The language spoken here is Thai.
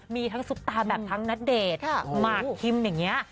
มีทั้งซุปตาแบบทั้งนัดเดทมาร์คคิมอย่างนี้